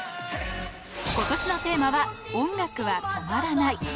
ことしのテーマは、音楽は止まらない。